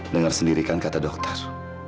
dengar sendiri kan kata dokter